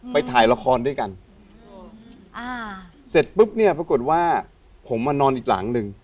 ไปถ่ายละครด้วยกันอ่าเสร็จปุ๊บเนี่ยปรากฏว่าผมมานอนอีกหลังหนึ่ง